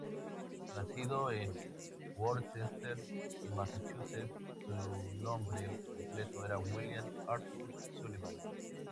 Nacido en Worcester, Massachusetts, su nombre completo era William Arthur Sullivan.